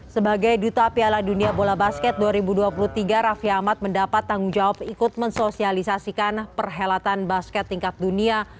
sebagai duta piala dunia bola basket dua ribu dua puluh tiga raffi ahmad mendapat tanggung jawab ikut mensosialisasikan perhelatan basket tingkat dunia